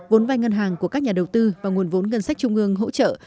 vốn vai ngân hàng của các nhà đầu tư và nguồn vốn ngân sách trung ương hỗ trợ